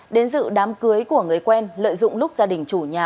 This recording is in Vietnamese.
đến dự đám cưới của người quen lợi dụng lúc gia đình chủ nhà